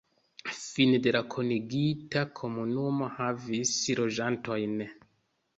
Fine de la kunigita komunumo havis loĝantojn.